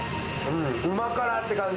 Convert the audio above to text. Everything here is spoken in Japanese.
うま辛って感じ。